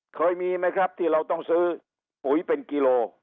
เคยมีไหมครับที่เราต้องซื้อปุ๋ยเป็นกิโล